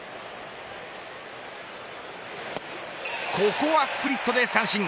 ここはスプリットで三振。